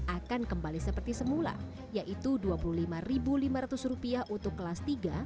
akan kembali seperti semula yaitu rp dua puluh lima lima ratus untuk kelas tiga